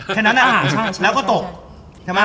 แมนยูแมนยูแพ้๗๐หมด